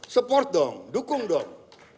support dong dukung dong